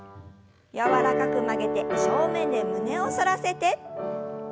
柔らかく曲げて正面で胸を反らせて。